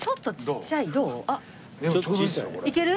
いける？